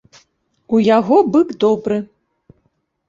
У яго бык добры.